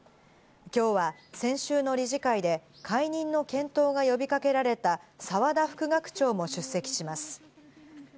きょうは先週の理事会で解任の検討が呼び掛けられた澤田副学長も出席します。